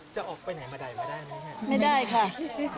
จะออกไปไหนมาได้มาได้ไหมครับ